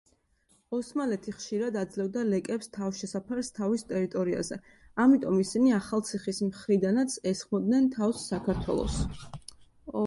ოსმალეთი ხშირად აძლევდა ლეკებს თავშესაფარს თავის ტერიტორიაზე, ამიტომ ისინი ახალციხის მხრიდანაც ესხმოდნენ თავს საქართველოს.